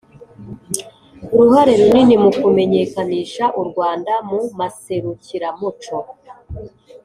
uruhare runini mu kumenyekanisha u rwanda mu maserukiramuco